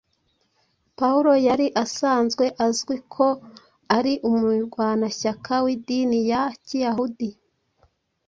Pawulo yari asanzwe azwi ko ari umurwanashyaka w’idini ya kiyahudi